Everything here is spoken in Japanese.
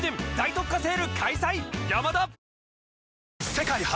世界初！